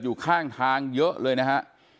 อยู่ข้างทางเยอะเลยนะฮะ